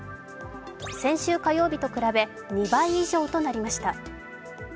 先週火曜日と比べ、２倍以上となりました。